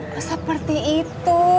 gak seperti itu